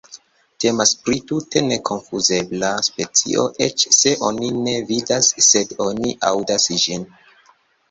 Temas pri tute nekonfuzebla specio, eĉ se oni ne vidas sed oni aŭdas ĝin.